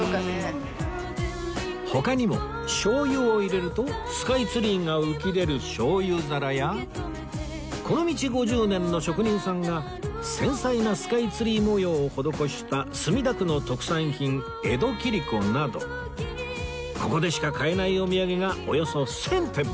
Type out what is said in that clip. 他にも醤油を入れるとスカイツリーが浮き出る醤油皿やこの道５０年の職人さんが繊細なスカイツリー模様を施した墨田区の特産品江戸切子などここでしか買えないお土産がおよそ１０００点も！